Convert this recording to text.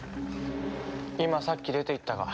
今さっき出て行ったが。